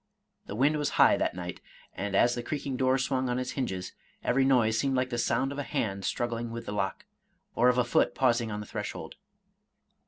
The wind was high that night, and as the creaking door swung on its hinges, ever>' noise seemed like the sound of a hand struggling with the lock, or of a foot pausing on the threshold.